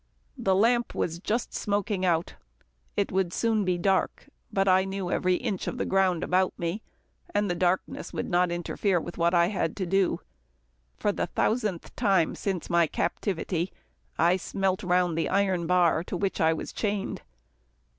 The lamp was just smoking out. It would soon be dark, but I knew every inch of the ground about me, and the darkness would not interfere with what I had to do. For the thousandth time since my captivity, I smelt round the iron bar to which I was chained.